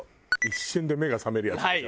一瞬で目が覚めるやつでしょ？